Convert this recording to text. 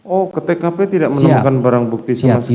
oh ke tkp tidak menemukan barang bukti sama sekali